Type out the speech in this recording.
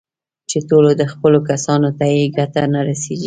چې ټولو دخيلو کسانو ته يې ګټه نه رسېږي.